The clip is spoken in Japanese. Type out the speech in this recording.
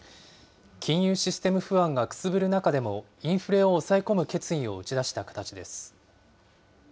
金融システム不安がくすぶる中でもインフレを抑え込む決意を打ち出した形です。